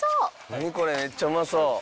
何これめっちゃうまそう。